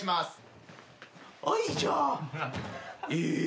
あいじゃあええ！？